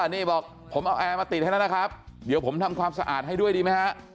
นี่บอกผมเอาแอร์มาติดให้แล้วนะครับเดี๋ยวผมทำความสะอาดให้ด้วยดีไหมฮะ